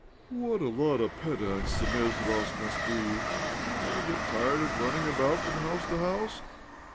"What a bt of pedants the Mezdrovs must be I Do you never get tired of running about from house to house?